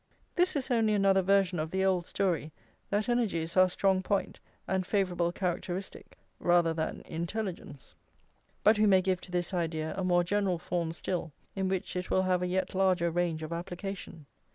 This is only another version of the old story that energy is our strong point and favourable characteristic, rather than intelligence. But we may give to this idea a more general form still, in which it will have a yet larger range of application.